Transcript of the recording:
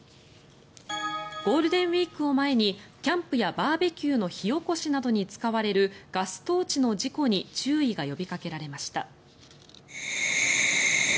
ゴールデンウィークを前にキャンプやバーベキューの火おこしなどに使われるガストーチの事故に注意が呼びかけられました。